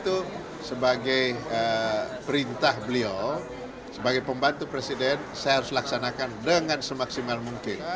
itu sebagai perintah beliau sebagai pembantu presiden saya harus laksanakan dengan semaksimal mungkin